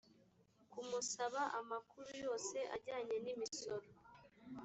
kumusaba amakuru yose ajyanye n imisoro